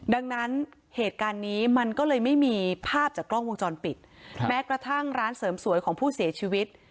ดังนั้นเหตุการณ์นี้มันก็เลยไม่มีภาพจากกล้องวงจรปิดแม้กระทั่งร้านเสริมสวยของผู้เสียชีวิต